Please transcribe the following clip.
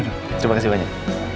terima kasih banyak